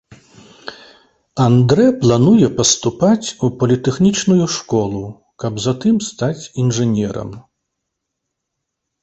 Андрэ плануе паступаць у політэхнічную школу, каб затым стаць інжынерам.